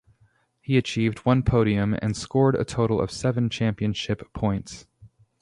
He achieved one podium and scored a total of seven championship points.